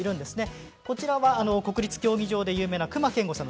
こちらは国立競技場で有名な隈研吾さん